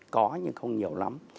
có nhưng không nhiều lắm